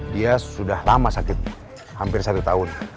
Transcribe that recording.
dia sudah lama sakit hampir satu tahun